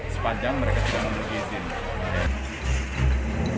sepanjang mereka tidak memiliki izin